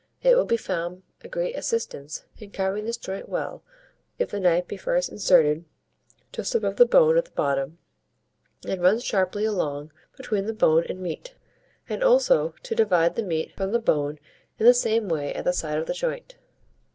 It will be found a great assistance, in carving this joint well, if the knife be first inserted just above the bone at the bottom, and run sharply along between the bone and meat, and also to divide the meat from the bone in the same way at the side of the joint.